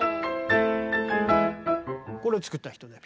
これを作った人で。